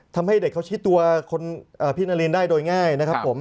ทำให้เด็กเขาชี้ตัวคนพี่นารินได้โดยง่ายนะครับผม